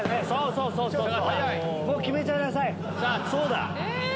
そうだ。